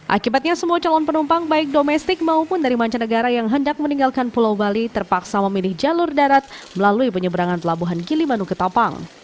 akibatnya semua calon penumpang baik domestik maupun dari mancanegara yang hendak meninggalkan pulau bali terpaksa memilih jalur darat melalui penyeberangan pelabuhan gilimanu ke tapang